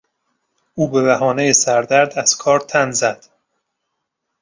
او به بهانهٔ سردرد از کار تن زد.